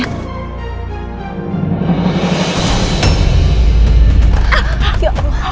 sekarang kita pulang ya